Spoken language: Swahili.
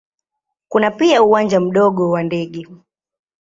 Kuna pia uwanja mdogo wa ndege.